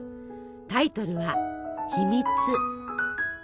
タイトルは「ひみつ」。